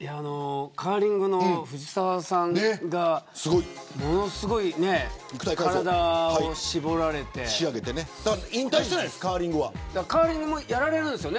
カーリングの藤澤さんがものすごい体を絞られてカーリングもやられるんですよね